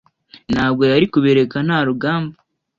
Ntabwo yari kubireka nta rugamba.